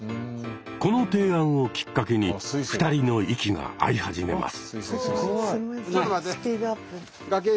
この提案をきっかけに２人の息が合い始めます。